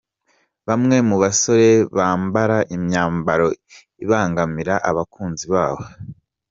Bamwe mu basore bambara imyambaro ibangamira abakunzi babo